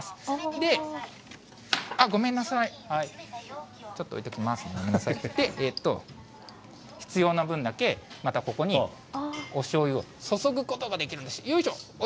で、必要な分だけ、またここにおしょうゆを注ぐことができるんです。